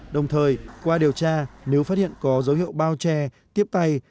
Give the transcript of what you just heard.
đồng thời qua điều tra nếu phát hiện có dấu hiệu bao che tiếp tay